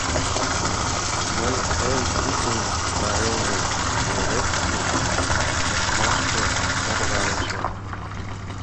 Мый эн писын пареҥге нӧреп гыч лекмашке тарванышым.